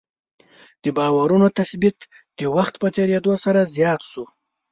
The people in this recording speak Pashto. د باورونو تثبیت د وخت په تېرېدو سره زیات شو.